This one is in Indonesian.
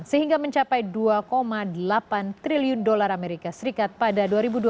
sehingga mencapai dua delapan triliun dolar amerika serikat pada dua ribu dua puluh